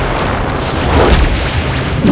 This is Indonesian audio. di infox terkoreksinya seringot